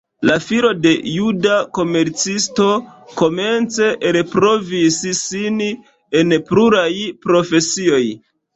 La filo de juda komercisto komence elprovis sin en pluraj profesioj.